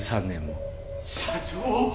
・社長。